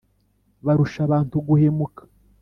barusha abantu guhemuka!